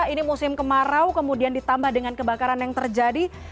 ini musim kemarau kemudian ditambah dengan kebakaran yang terjadi